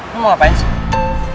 lo mau ngapain sih